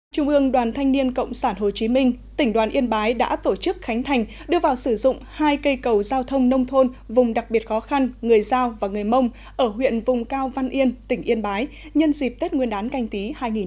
trung ương đoàn thanh niên cộng sản hồ chí minh tỉnh đoàn yên bái đã tổ chức khánh thành đưa vào sử dụng hai cây cầu giao thông nông thôn vùng đặc biệt khó khăn người giao và người mông ở huyện vùng cao văn yên tỉnh yên bái nhân dịp tết nguyên đán canh tí hai nghìn hai mươi